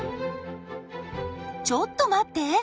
ちょっと待って！